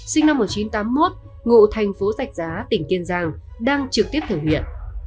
sinh năm một nghìn chín trăm tám mươi một ngụ thành phố sạch giá tỉnh kiên giang đang trực tiếp thực hiện